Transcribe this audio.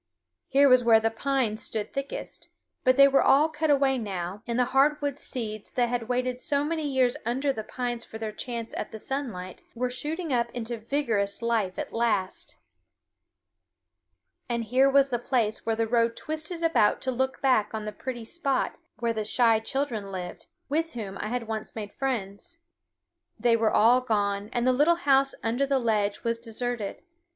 Here was where the pines stood thickest; but they were all cut away now, and the hardwood seeds that had waited so many years under the pines for their chance at the sunlight were shooting up into vigorous life at last. And here was the place where the road twisted about to look back on the pretty spot where the shy children lived, with whom I had once made friends. They were all gone, and the little house under the ledge was deserted.